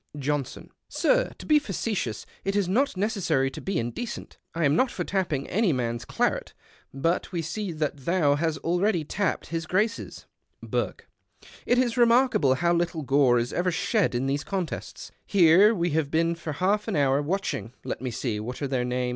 Johnson. —" Sir, to be facetious, it is not necessary to be indecent. I am not for tapj)ing any mans claret, but we see that thou hast already tapped his Grace's." Burke. —" It is remarkable how little gore is ever shed in these contests. Here have we been for half an hour watching — let me see, what are their names ?